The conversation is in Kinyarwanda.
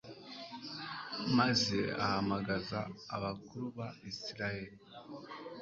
maze ahamagaza abakuru ba israheli